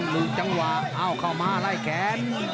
หลุดจังหวะเอ้าเข้ามาไล่แขน